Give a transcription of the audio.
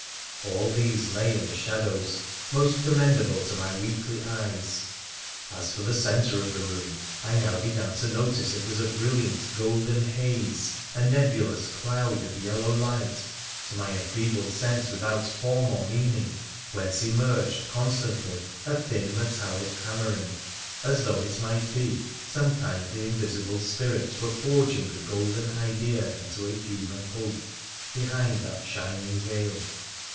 All these lay in the shadows most commendable to my weakly eyes. As for the centre of the room, I now began to notice it was a brilliant golden haze, a nebulous cloud of yellow light, to my enfeebled sense without form or meaning, whence emerged constantly a thin metallic hammering, as though it might be some kindly invisible spirit were forging a golden idea into a human hope behind that shining veil.